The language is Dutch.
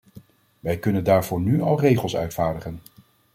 Wij kunnen daarvoor nu al regels uitvaardigen.